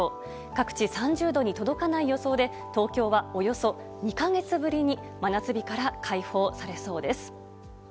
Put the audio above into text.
各地３０度に届かない予想で東京は、およそ２か月ぶりに真夏日から解放されそうです。